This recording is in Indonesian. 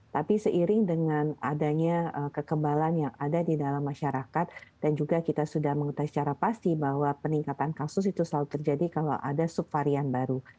tapi seiring dengan adanya kekebalan yang ada di dalam masyarakat dan juga kita sudah mengetahui secara pasti bahwa peningkatan kasus itu selalu terjadi kalau ada subvarian baru